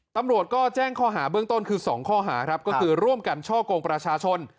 ตำรวจก็แจ้งข้อหาเบื้องต้นคือ๒ข้อหาครับก็คือร่วมกันช่อกงประชาชน